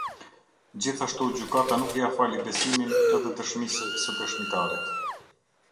Gjithashtu gjykata nuk ia fali besimin edhe dëshmisë së dëshmitarit.